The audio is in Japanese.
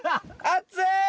熱い！